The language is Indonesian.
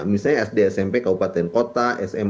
misalnya sd smp kaupaten kota